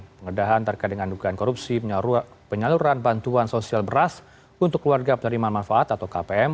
penggeledahan terkait dengan dugaan korupsi penyaluran bantuan sosial beras untuk keluarga penerima manfaat atau kpm